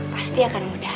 pasti akan mudah